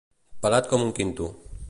Pelat com un quinto.